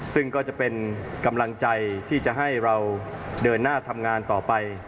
ซึ่งก็จะเป็นกำลังใจที่จะให้เราเดินหน้าทำงานต่อไป